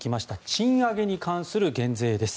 賃上げに関する減税です。